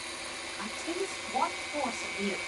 見你咁靚仔，益吓你啦